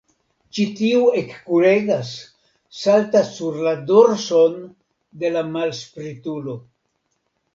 Ĉi tiu ekkuregas, saltas sur la dorson de la malspritulo.